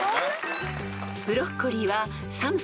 ［ブロッコリーは］